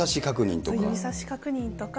指さし確認とか。